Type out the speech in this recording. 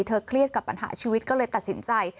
เครียดกับปัญหาชีวิตก็เลยตัดสินใจ